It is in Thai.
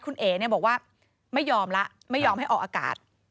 คุณเอ๋บอกว่าไม่ยอมแล้วไม่ยอมให้ออกอากาศ